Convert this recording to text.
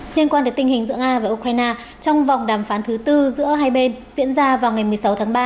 liên quan tới tình hình giữa nga và ukraine trong vòng đàm phán thứ tư giữa hai bên diễn ra vào ngày một mươi sáu tháng ba